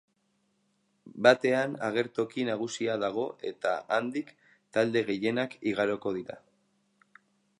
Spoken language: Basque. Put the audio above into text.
Batean agertoki nagusia dago eta handik talde gehienak igaroko dira.